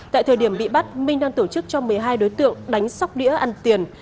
tại thời điểm bị bắt minh đang tổ chức cho một mươi hai đối tượng đánh sóc đĩa ăn tiền